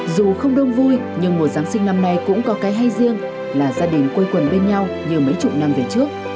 dù không đông vui nhưng mùa giáng sinh năm nay cũng có cái hay riêng là gia đình quây quần bên nhau như mấy chục năm về trước